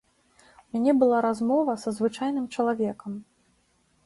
У мяне была размова са звычайным чалавекам.